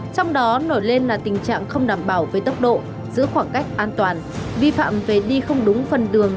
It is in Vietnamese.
trong đó nổi lên là tình trạng không đảm bảo về tốc độ giữ khoảng cách an toàn vi phạm về đi không đúng phần đường